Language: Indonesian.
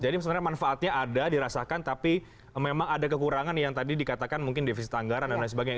jadi sebenarnya manfaatnya ada dirasakan tapi memang ada kekurangan yang tadi dikatakan mungkin defisit anggaran dan lain sebagainya